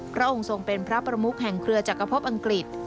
พระองค์ทรงเป็นพระประมุกแห่งเครือจักรพบอังกฤษ